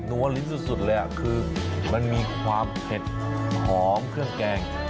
ลิ้นสุดเลยคือมันมีความเผ็ดหอมเครื่องแกง